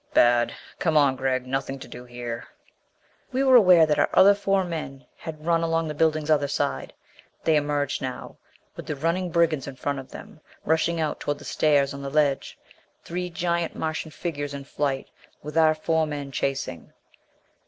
"Bad. Come on, Gregg. Nothing to do here." We were aware that our other four men had run along the building's other side. They emerged now with the running brigands in front of them, rushing out toward the stairs on the ledge. Three giant Martian figures in flight, with our four men chasing.